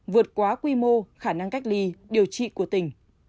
vượt quá quy mô khả năng cách ly điều trị của tỉnh